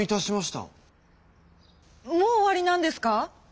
もう終わりなんですか？